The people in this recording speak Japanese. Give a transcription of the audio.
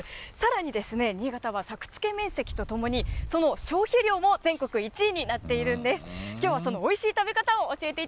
さらに新潟は作付面積とともに、その消費量も全国１位になっているんです。